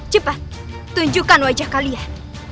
cepat tunjukkan wajah kalian